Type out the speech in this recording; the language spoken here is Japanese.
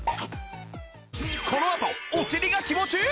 このあとお尻が気持ちいい！